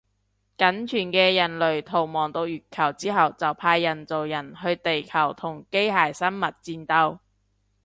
僅存嘅人類逃亡到月球之後就派人造人去地球同機械生物戰鬥